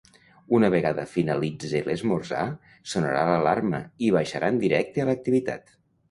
Una vegada finalitze l’esmorzar, sonarà l’alarma i baixaran directe a l’activitat.